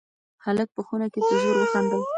هلک په خونه کې په زوره خندل.